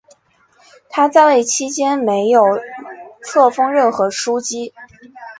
他在位期间没有册封任何枢机。